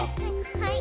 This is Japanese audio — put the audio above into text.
はい。